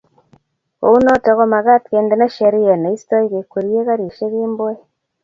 kou noto komagaat kendeno Sheria neistoi kekwerie karishek kemboi